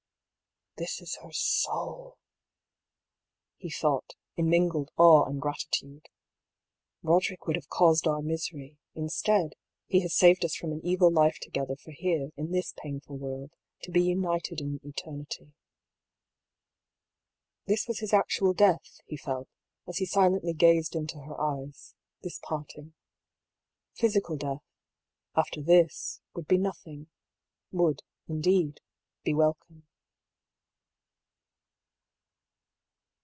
" This is her soul,^* he thought, in mingled awe and gratitude. " Roderick would have caused our misery ; instead, he has saved us from an evil life together for here, in this painful world, to be united in eternity." This was his actual death, he felt, as he silently gazed into her eyes, this parting. Physical death, after this, would be nothing — ^would, indeed, be welcome.